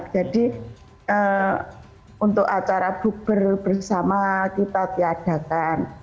jadi untuk acara buber bersama kita tiadakan